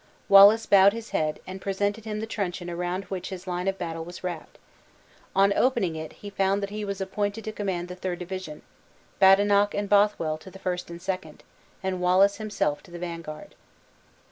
Wallace bowed his head, and presented him the truncheon around which his line of battle was wrapped. On opening it he found that he was appointed to command the third division; Badenoch and Bothwell to the first and second; and Wallace himself to the vanguard.